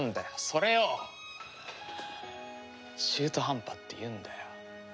それを中途半端っていうんだよ。